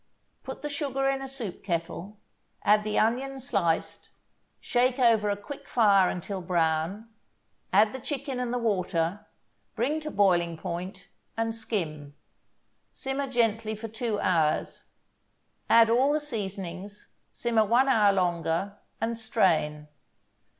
Put the sugar in a soup kettle, add the onion, sliced, shake over a quick fire until brown, add the chicken and the water, bring to boiling point, and skim. Simmer gently for two hours. Add all the seasonings, simmer one hour longer, and strain.